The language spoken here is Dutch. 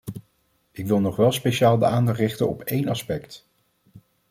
Ik wil nog wel speciaal de aandacht richten op één aspect.